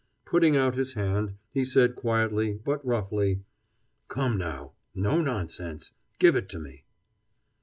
Putting out his hand, he said quietly, but roughly: "Come now, no nonsense! Give it to me!"